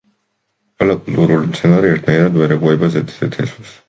ყველა კულტურული მცენარე ერთნაირად ვერ ეგუება ზედიზედ თესვას.